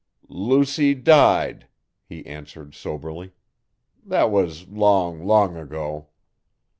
'Lucy died,' he answered soberly; 'thet was long, long ago.'